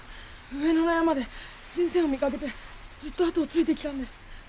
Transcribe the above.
上野の山で先生を見かけてずっと後をついてきたんです。